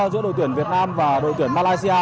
giữa đội tuyển việt nam và đội tuyển malaysia